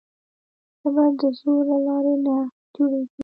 ژبه د زور له لارې نه جوړېږي.